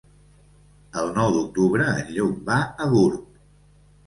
El nou d'octubre en Lluc va a Gurb.